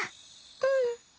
うん。